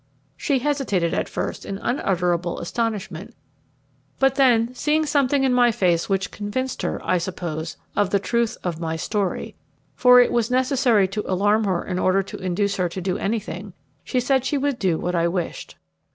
She hesitated at first in unutterable astonishment; but then, seeing something in my face which convinced her, I suppose, of the truth of my story, for it was necessary to alarm her in order to induce her to do anything, she said she would do what I wished.